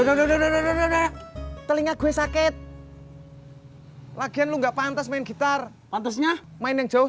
udah udah telinga gue sakit hai lagi lu nggak pantas main gitar pantasnya main yang jauh